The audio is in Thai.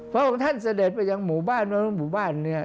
พระองค์ท่านเสด็จไปยังหมู่บ้านหมู่บ้านเนี่ย